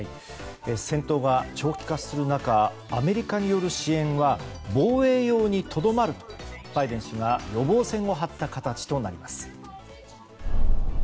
戦闘が長期化する中アメリカによる支援は防衛用にとどまるとバイデン氏が予防線を張った形となります。